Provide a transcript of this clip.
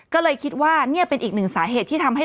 ก็เลยคิดว่านี่เป็นอีกหนึ่งสาเหตุที่ทำให้